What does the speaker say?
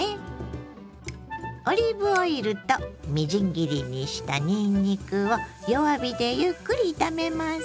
オリーブオイルとみじん切りにしたにんにくを弱火でゆっくり炒めます。